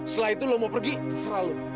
setelah itu lo mau pergi terserah lo